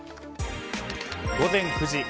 午前９時。